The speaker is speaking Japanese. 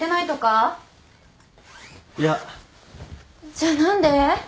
じゃあ何で？